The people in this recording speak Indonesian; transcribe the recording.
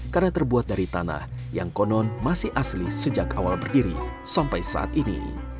karena terbuat dari tanah yang konon masih asli sejak awal berdiri sampai saat ini